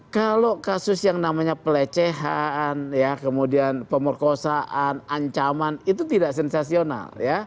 kalau kasus yang namanya pelecehan kemudian pemerkosaan ancaman itu tidak sensasional